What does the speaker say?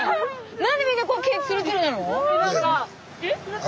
何でみんなこう毛ツルツルなの？